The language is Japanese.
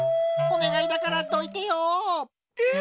おねがいだからどいてよ！え？